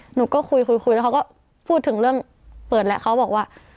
หนูก็คุยคุยแล้วเขาก็พูดถึงเรื่องเปิดแล้วเขาบอกว่า